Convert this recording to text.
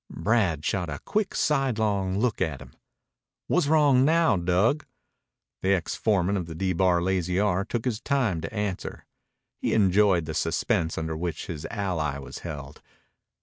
Brad shot a quick, sidelong look at him. "Wha's wrong now, Dug?" The ex foreman of the D Bar Lazy R took his time to answer. He enjoyed the suspense under which his ally was held.